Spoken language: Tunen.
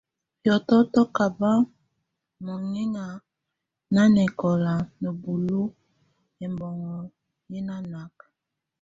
Hiɔtɔ́yɔ kába mønŋɛŋa nanɛkɔla nəbúlu ɛmbɔnŋo yɛnɔ náka.